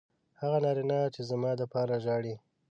هغه نارینه چې زما دپاره ژاړي